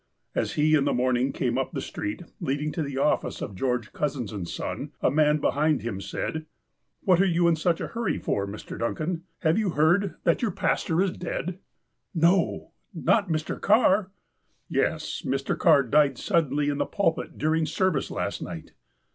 As he in the morning came up the street leading to the office of George Cousins & Son, a man behind him said : "What are you in such a hurry for, Mr. Duncan I Have you heard that your pastor is dead ?" "No! Not Mr. Carr?" "Yes. Mr. Carr died suddenly in the pulpit during service last night."